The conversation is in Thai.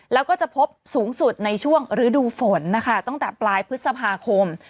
แล้วก็จะพบสูงสุดในช่วงฤดูฝนนะคะตั้งแต่ปลายพฤษภาคม